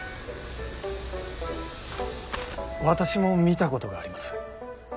私も見たことがあります。